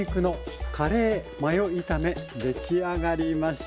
出来上がりました。